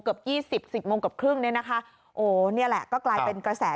เกือบ๒๐๑๐โมงกับครึ่งนี่แหละก็กลายเป็นกระแส